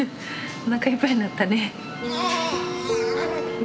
おなかいっぱいになったね。